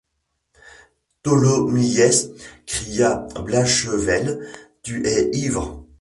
Tholomyès, cria Blachevelle, tu es ivre!